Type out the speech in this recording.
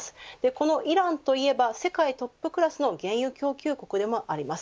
このイランといえば世界トップクラスの原油供給国でもあります。